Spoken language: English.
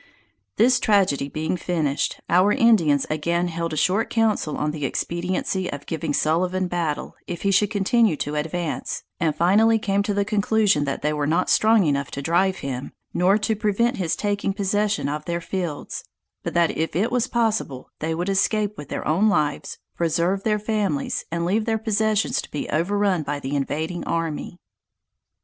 This tragedy being finished, our Indians again held a short council on the expediency of giving Sullivan battle, if he should continue to advance, and finally came to the conclusion that they were not strong enough to drive him, nor to prevent his taking possession of their fields: but that if it was possible they would escape with their own lives, preserve their families, and leave their possessions to be overrun by the invading army.